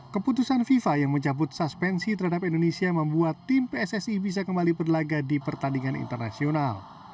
keputusan fifa yang mencabut suspensi terhadap indonesia membuat tim pssi bisa kembali berlaga di pertandingan internasional